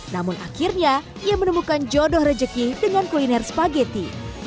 namun akhirnya ia menemukan jodoh rejeki dengan kuliner spageti